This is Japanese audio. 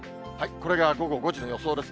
これが午後５時の予想です。